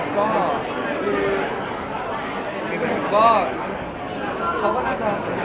ก็ก็เขาก็น่าจะสงสัย